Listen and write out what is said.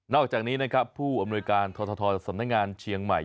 อกจากนี้นะครับผู้อำนวยการททสำนักงานเชียงใหม่